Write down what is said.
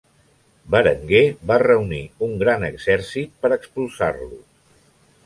Berenguer va reunir un gran exercit per expulsar-los.